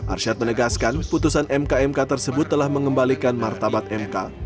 arsyad menegaskan putusan mk mk tersebut telah mengembalikan martabat mk